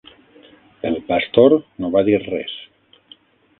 El pastor no va dir res.